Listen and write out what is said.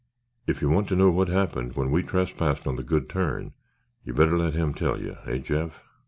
If you want to know what happened when we trespassed on the Good Turn, you'd better let him tell you, hey, Jeff?"